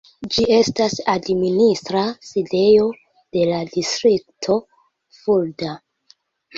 Ĝi estas administra sidejo de la distrikto Fulda.